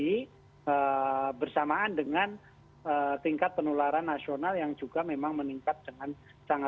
ini bersamaan dengan tingkat penularan nasional yang juga memang meningkat dengan sangat